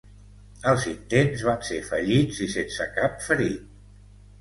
Els intents van ser fallits i sense cap ferit.